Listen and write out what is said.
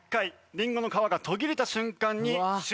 リンゴの皮が途切れた瞬間に終了です。